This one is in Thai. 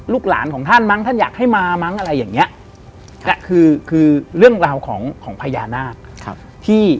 หลานของท่านมั้งท่านอยากให้มามั้งอะไรอย่างเงี้ยคือคือเรื่องราวของของพญานาคที่